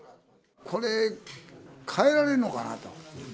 これ、変えられるのかなと。